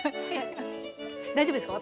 大丈夫ですか？